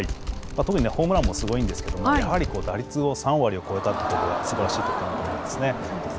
特にホームランもすごいんですけれどもやはり打率を３割を超えたというところがすばらしいところかなと思いますね。